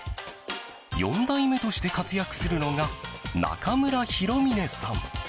４代目として活躍するのが中村弘峰さん。